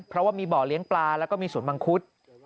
เพราะว่ามีบ่อเลี้ยงปลาแล้วก็มีสวนมังคุด